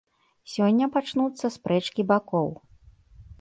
Сёння пачнуцца спрэчкі бакоў.